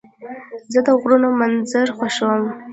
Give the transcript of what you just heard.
زه د غرونو منظر خوښوم.